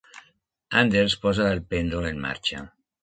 Anders posa el pèndol en marxa.